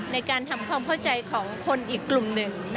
ในการทำความเข้าใจของคนอีกกลุ่มหนึ่ง